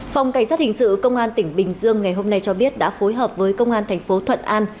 phòng cảnh sát hình sự công an tp bình dương ngày hôm nay cho biết đã phối hợp với công an tp thuận an